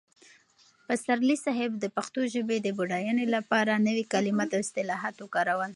پسرلي صاحب د پښتو ژبې د بډاینې لپاره نوي کلمات او اصطلاحات وکارول.